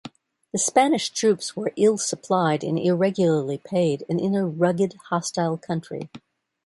The Spanish troops were ill-supplied and irregularly paid and in a rugged, hostile country.